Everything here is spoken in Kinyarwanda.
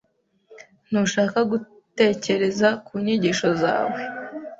Ntushaka gutekereza ku nyigisho zawe